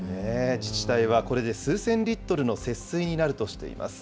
自治体はこれで数千リットルの節水になるとしています。